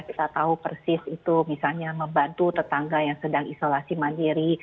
kita tahu persis itu misalnya membantu tetangga yang sedang isolasi mandiri